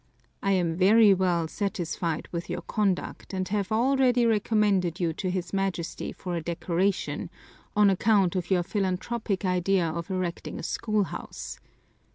I am very well satisfied with your conduct and have already recommended you to his Majesty for a decoration on account of your philanthropic idea of erecting a schoolhouse.